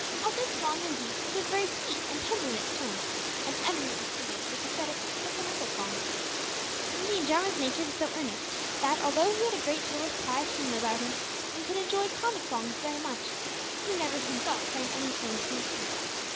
Although strong and deep, it was very sweet and tender in its tones, and eminently suited for pathetic and sentimental songs. Indeed Jarwin's nature was so earnest, that although he had a great deal of quiet humour about him, and could enjoy comic songs very much, he never himself sang anything humorous.